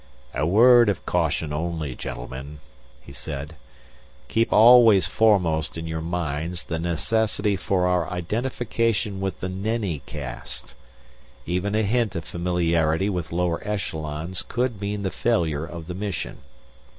"A word of caution only, gentlemen," he said. "Keep always foremost in your minds the necessity for our identification with the Nenni Caste. Even a hint of familiarity with lower echelons could mean the failure of the mission.